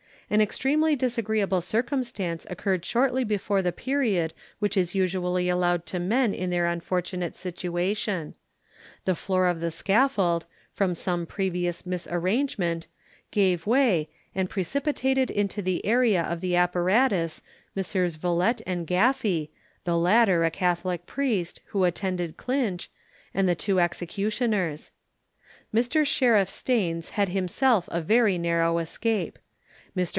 An extremely disagreeable circumstance occurred shortly before the period which is usually allowed to men in their unfortunate situation. The floor of the scaffold, from some previous misarrangement, gave way, and precipitated into the area of the apparatus, Messrs Vilette and Gaffy, the latter a Catholic priest, who attended Clinch, and the two executioners; Mr. Sheriff Stains had himself a very narrow escape. Mr.